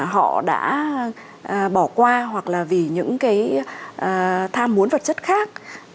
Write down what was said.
họ đã bỏ qua hoặc là vì những cái tham muốn vật chất khác